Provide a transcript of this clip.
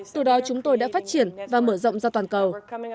từ đó chúng tôi đã phát triển và mở rộng ra toàn cầu